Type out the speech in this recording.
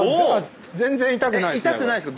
全然痛くないですね。